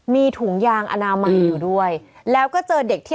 มีถุงยางอนามัยอยู่ด้วยแล้วก็เจอเด็กที่